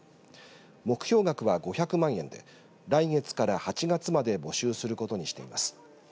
目標額は５００万円で来月から８月まで募集することにしています。